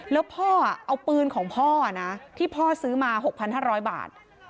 แล้วพ่ออ่ะเอาปืนของพ่ออ่ะนะที่พ่อซื้อมาหกพันห้าร้อยบาท